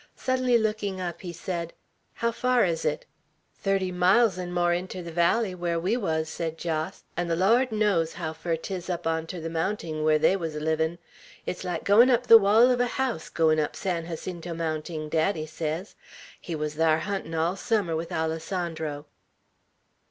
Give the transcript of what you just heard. Suddenly looking up, he said, "How far is it?" "Thirty miles 'n' more inter the valley, where we wuz," said Jos; "'n' the Lawd knows how fur 'tis up on ter the mounting, where they wuz livin'. It's like goin' up the wall uv a house, goin' up San Jacinto Mounting, daddy sez. He wuz thar huntin' all summer with Alessandro."